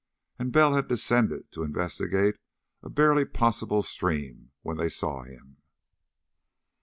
And Bell had descended to investigate a barely possible stream when they saw him.